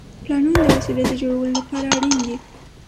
پلانونه د وسیلې د جوړولو لپاره اړین دي.